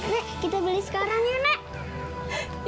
nek kita beli sekarang ya nak